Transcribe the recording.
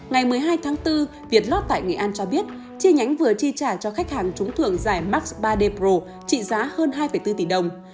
ngày một mươi hai tháng bốn vietlot tại nghệ an cho biết chi nhánh vừa chi trả cho khách hàng trúng thưởng giải max ba dro trị giá hơn hai bốn tỷ đồng